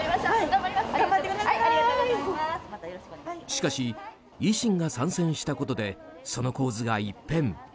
しかし、維新が参戦したことでその構図が一変。